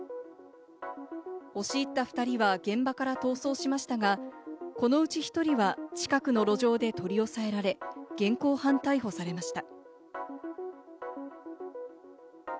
押し入った２人は現場から逃走しましたが、このうち１人は近くの路上で取り押さえられ、現行犯逮捕されました。